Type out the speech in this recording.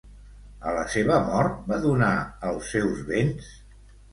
A la seva mort, va donar els seus béns?